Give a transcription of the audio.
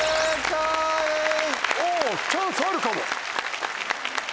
チャンスあるかも。